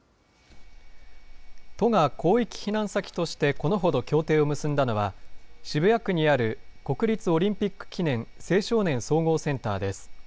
都が広域避難先としてこのほど協定を結んだのは、渋谷区にある国立オリンピック記念青少年総合センターです。